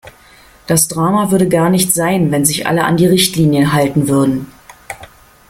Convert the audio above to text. Das Drama würde gar nicht sein, wenn sich alle an die Richtlinien halten würden.